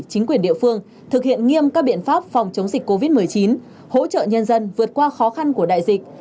chính quyền địa phương thực hiện nghiêm các biện pháp phòng chống dịch covid một mươi chín hỗ trợ nhân dân vượt qua khó khăn của đại dịch